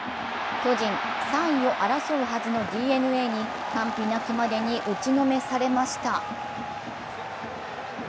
巨人、３位を争うはずのＤｅＮＡに完膚なきまでに打ちのめされました。